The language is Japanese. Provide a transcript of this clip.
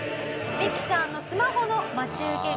ミキさんのスマホの待ち受け画面